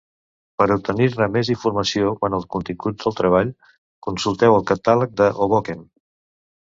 Per obtenir-ne més informació quant al contingut del treball, consulteu el "catàleg de Hoboken".